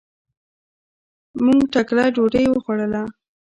مونږ ټکله ډوډي وخوړله.